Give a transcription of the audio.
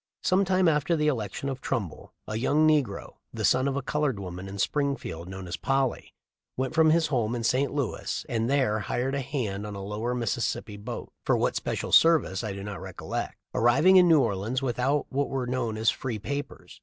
Some time after the election of Trumbull a young negro, the son of a colored woman in Spring field known as Polly, went from his home to St. Louis and there hired as a hand on a lower Missis sippi boat, — for what special service, I do not recol lect, — arriving in New Orleans without what were known as free papers.